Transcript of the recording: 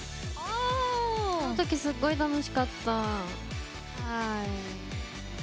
あのときすごい楽しかった。